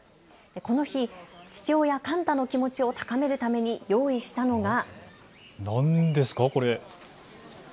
この日、父親カンタの気持ちを高めるために用意したのが。